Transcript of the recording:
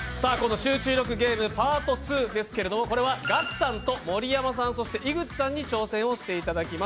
「集中力ゲームパートⅡ」ですけれども、これはガクさんと盛山さん井口さんに挑戦していただきます。